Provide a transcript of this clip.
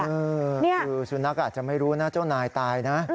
สื่นลักษณ์อาจจะไม่รู้เจ้านายตายนะ